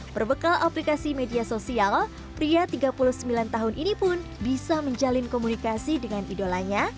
berbekal aplikasi media sosial pria tiga puluh sembilan tahun ini pun bisa menjalin komunikasi dengan idolanya